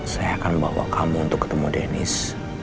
saya akan bawa kamu untuk ketemu dennis